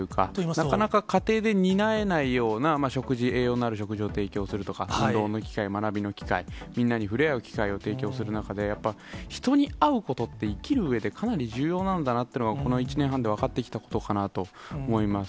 なかなか家庭で担えないような食事、栄養のある食事を提供するとか、学びの機会、みんなに触れ合う機会を提供する中で、やっぱり人に会うことって、生きるうえでかなり重要なんだなっていうのが、この１年半で分かってきたことかなと思います。